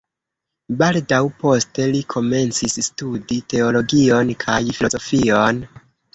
Baldaŭ poste li komencis studi teologion kaj filozofion.